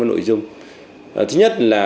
nội dung thứ nhất là